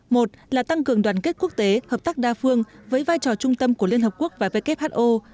một là tăng cường đoàn kết quốc tế hợp tác đa phương với vai trò trung tâm của liên hợp quốc và who